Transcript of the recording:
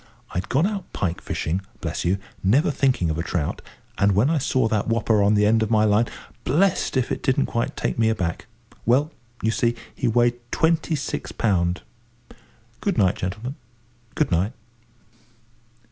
I'd gone out pike fishing, bless you, never thinking of a trout, and when I saw that whopper on the end of my line, blest if it didn't quite take me aback. Well, you see, he weighed twenty six pound. Good night, gentlemen, good night."